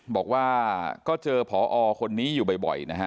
บอกว่าก็เจอผอคนนี้อยู่บ่อยนะฮะ